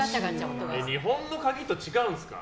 日本の鍵と違うんですか